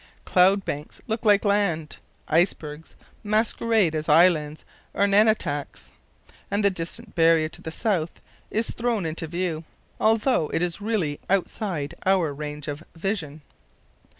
Cloud banks look like land, icebergs masquerade as islands or nunataks, and the distant barrier to the south is thrown into view, although it really is outside our range of vision.